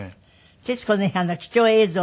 『徹子の部屋』の貴重映像です。